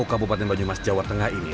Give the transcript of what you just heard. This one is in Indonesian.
kabupaten banyumas jawa tengah ini